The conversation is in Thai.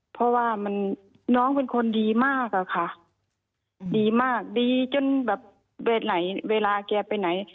เพราะว่ามันน้องเป็นคนดีมากอะค่ะดีมากดีจนแบบเวทไหนเวลาแกไปไหน